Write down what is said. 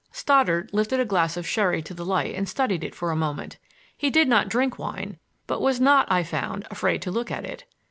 Stoddard lifted a glass of sherry to the light and studied it for a moment. He did not drink wine, but was not, I found, afraid to look at it.